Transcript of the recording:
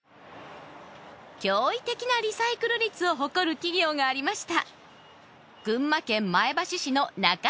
驚異的なリサイクル率を誇る企業がありました！